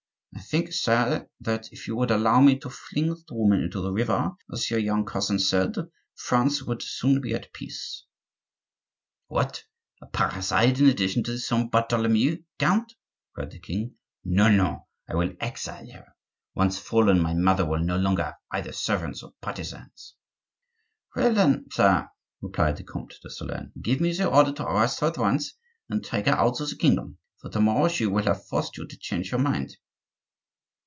"I think, sire, that if you would allow me to fling that woman into the river, as your young cousin said, France would soon be at peace." "What! a parricide in addition to the Saint Bartholomew, count?" cried the king. "No, no! I will exile her. Once fallen, my mother will no longer have either servants or partisans." "Well, then, sire," replied the Comte de Solern, "give me the order to arrest her at once and take her out of the kingdom; for to morrow she will have forced you to change your mind."